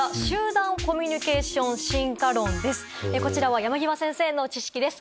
こちらは山極先生の知識です。